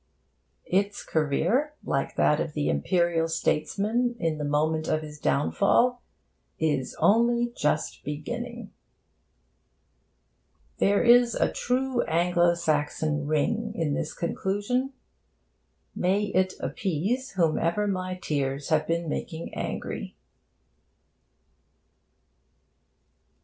Its career, like that of the Imperial statesman in the moment of his downfall, 'is only just beginning.' There is a true Anglo Saxon ring in this conclusion. May it appease whomever my tears have been making angry.